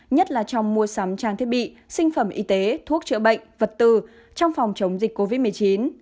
nhất là trong mua sắm trang thiết bị sinh phẩm y tế thuốc chữa bệnh vật tư trong phòng chống dịch covid một mươi chín